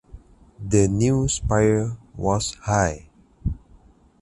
The new spire was high.